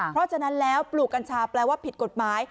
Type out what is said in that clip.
เพราะฉะนั้นแล้วปลูกกัญชาแปลว่าผิดกฎหมาย